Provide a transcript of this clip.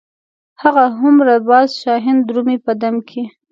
هغه هومره باز شاهین درومي په دم کې.